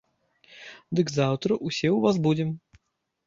Дык заўтра ўсе ў вас будзем.